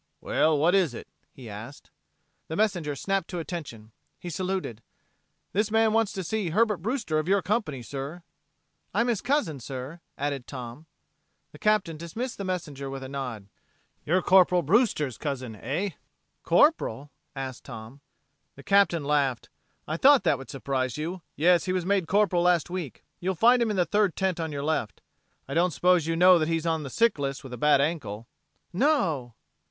"Well, what is it?" he asked. The messenger snapped to attention: he saluted. "This man wants to see Herbert Brewster of your company, sir." "I'm his cousin, sir," added Tom. The Captain dismissed the messenger with a nod. "You're Corporal Brewster's cousin, eh?" "Corporal?" asked Tom. The Captain laughed. "I thought that would surprise you. Yes, he was made Corporal last week. You'll find him in the third tent on your left. I don't suppose you know that he's on the sick list with a bad ankle?" "No!"